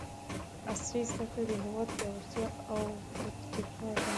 عصري زده کړې د هېواد پیاوړتیا او خودکفاء ده!